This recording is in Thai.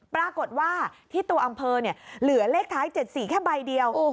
ปรากฏว่าที่ตัวอำเภอเหลือเลขท้าย๗๔แค่ใบเดียว